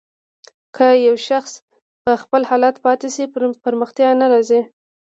که يو شاخص په خپل حال پاتې شي پرمختيا نه راځي.